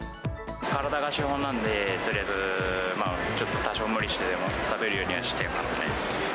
体が資本なんで、とりあえずちょっと多少無理してでも食べるようにはしてますね。